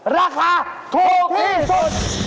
ราคาถูกที่สุด